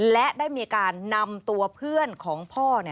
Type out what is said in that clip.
และได้มีการนำตัวเพื่อนของพ่อ